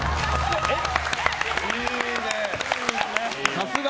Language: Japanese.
さすが。